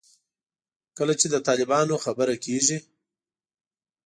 کله چې د طالبانو خبره کېږي.